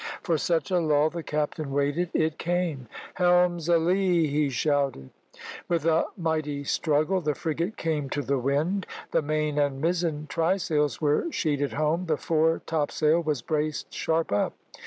For such a lull the captain waited. It came. "Helm's a lee!" he shouted. With a mighty struggle the frigate came to the wind, the main and mizen trysails were sheeted home, the fore topsail was braced sharp up.